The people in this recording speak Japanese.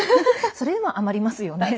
それでも余りますよね。